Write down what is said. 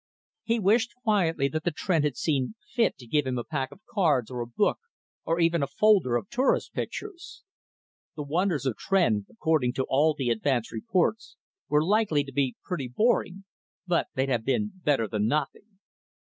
He wished quietly that the Tr'en had seen fit to give him a pack of cards, or a book, or even a folder of tourist pictures. The Wonders of Tr'en, according to all the advance reports, were likely to be pretty boring, but they'd have been better than nothing.